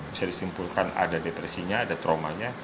bisa disimpulkan ada depresinya ada traumanya